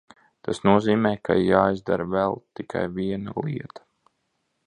Tas nozīmē, ka ir jāizdara vēl tikai viena lieta.